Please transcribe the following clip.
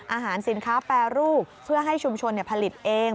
อาหารสินค้าแปรรูปเพื่อให้ชุมชนผลิตเอง